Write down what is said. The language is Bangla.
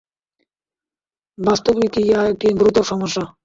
বাস্তবিকই ইহা একটি গুরুতর সমস্যা।